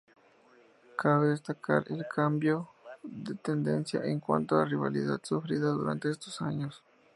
Cabe destacar el cambio de tendencia en cuanto a rivalidad sufrida durante estos años.